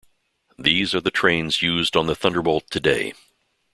These are the trains used on the Thunderbolt today.